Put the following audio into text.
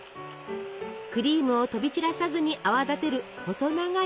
クリームを飛び散らさずに泡立てる細長い容器。